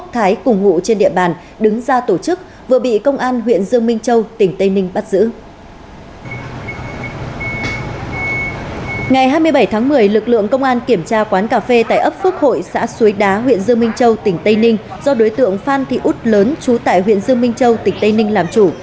ngày hai mươi bảy tháng một mươi lực lượng công an kiểm tra quán cà phê tại ấp phước hội xã suối đá huyện dương minh châu tỉnh tây ninh do đối tượng phan thị út lớn trú tại huyện dương minh châu tỉnh tây ninh làm chủ